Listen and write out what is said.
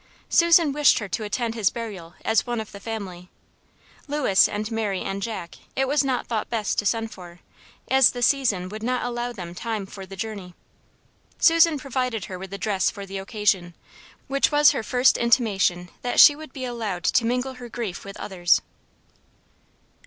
Susan wished her to attend his burial as one of the family. Lewis and Mary and Jack it was not thought best to send for, as the season would not allow them time for the journey. Susan provided her with a dress for the occasion, which was her first intimation that she would be allowed to mingle her grief with others.